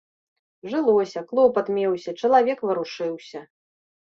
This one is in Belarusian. Жылося, клопат меўся, чалавек варушыўся.